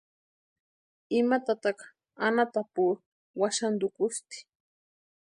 Ima tataka anhatapurhu waxantukusti.